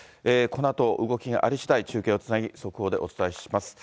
このあと、動きがありしだい、中継をつなぎ、速報でお伝えします。